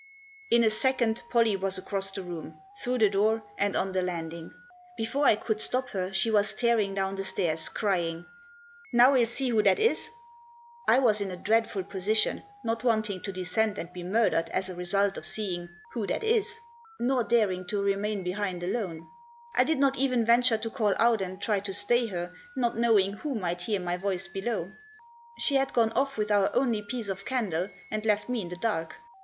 IN a second Pollie was across the room, through the door, and on the landing. Before I could stop her she was tearing down the stairs, crying, " Now we'll see who that is ?" I was in a dreadful position, not wanting to descend and be murdered as a result of seeing " who that is," nor daring to remain behind alone. I did not even venture to call out and try to stay her, not knowing who might hear my voice below. She had gone off with our only piece of candle and left me in the dark.